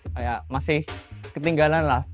kayak masih ketinggalan lah